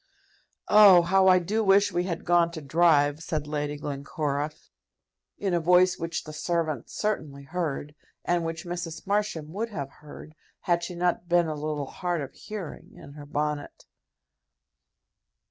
"Oh, how I do wish we had gone to drive!" said Lady Glencora, in a voice which the servant certainly heard, and which Mrs. Marsham would have heard had she not been a little hard of hearing, in her bonnet.